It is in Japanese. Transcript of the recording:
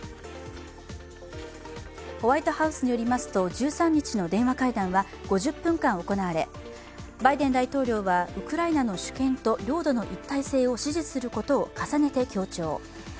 ホワイトハウスによりますと１３日の電話会談は５０分間行われ、バイデン大統領はウクライナの主権と領土の一体性を指示することを重ねて強調。